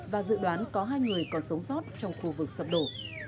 và dự đoán có hai người còn sống sót trong khu vực sập đổ